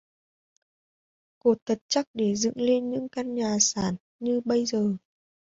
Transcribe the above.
Cột thật chắc để dựng lên những căn nhà sản như bây giờ